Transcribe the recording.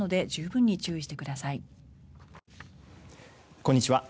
こんにちは。